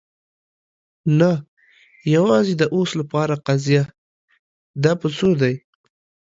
نه، یوازې د اوس لپاره قضیه. دا په څو دی؟